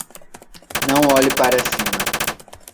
Não olhe para cima